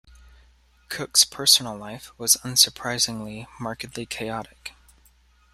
Cooke's personal life was, unsurprisingly, markedly chaotic.